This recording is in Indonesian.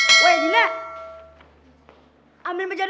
aku aku mau tapi tak maul